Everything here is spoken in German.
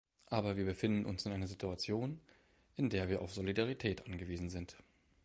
Aber wir befinden uns in einer Situation, in der wir auf Solidarität angewiesen sind.